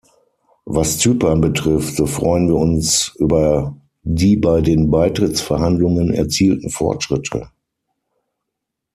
Was Zypern betrifft, so freuen wir uns über die bei den Beitrittsverhandlungen erzielten Fortschritte.